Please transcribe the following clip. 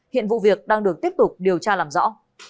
hiện vụ việc đang được tiếp tục điều tra làm rõ